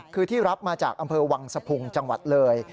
คือที่รับมาจากอำเภอวังสะพุงจังหวัดเลย